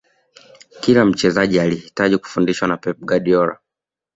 kila mchezaji alihitaji kufundishwa na pep guardiola